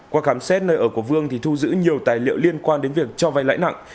qua khám xét nơi ở của vương thì thu giữ nhiều tài liệu liên quan đến việc cho vay lãi nặng